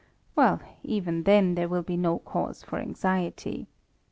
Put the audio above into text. Well, even then, there will be no cause for anxiety.